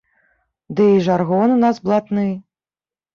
Ды і жаргон у нас блатны!